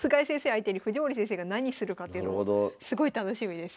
相手に藤森先生が何するかっていうのもすごい楽しみです。